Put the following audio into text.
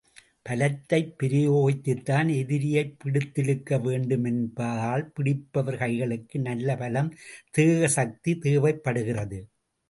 பலத்தைப் பிரயோகித்துத்தான் எதிரியைப் பிடித்திழுக்க வேண்டும் என்பதால், பிடிப்பவர் கைகளுக்கு நல்ல பலம், தேக சக்தி தேவைப்படுகிறது.